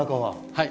はい。